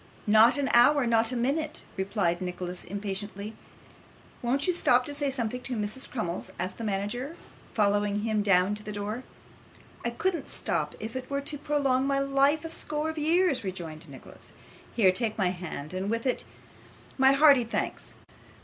'Not an hour not a minute,' replied Nicholas, impatiently. 'Won't you stop to say something to Mrs. Crummles?' asked the manager, following him down to the door. 'I couldn't stop if it were to prolong my life a score of years,' rejoined Nicholas. 'Here, take my hand, and with it my hearty thanks.